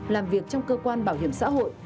làm việc trong cơ quan bảo hiểm xã hội